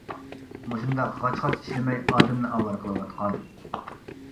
مۇشۇنداق غاچ-غاچ ئىشلىمەي ئادەمنى ئاۋارە قىلىۋاتقان.